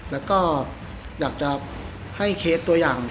แล้วก็อยากจะให้เคสตัวอย่าง